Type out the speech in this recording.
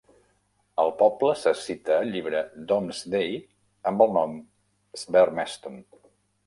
El poble se cita al llibre Domesday amb el nom "Sbermestun".